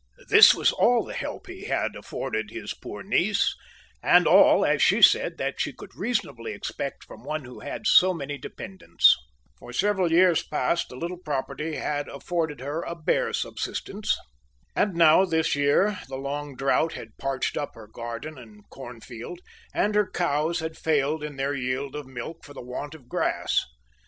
This was all the help he had afforded his poor niece, and all, as she said, that she could reasonably expect from one who had so many dependents. For several years past the little property had afforded her a bare subsistence. And now this year the long drought had parched up her garden and corn field, and her cows had failed in their yield of milk for the want of grass.